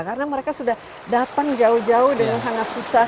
karena mereka sudah datang jauh jauh dengan sangat susah